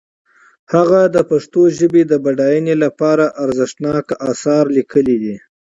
هغه د پښتو ژبې د بډاینې لپاره ارزښتناک آثار لیکلي دي.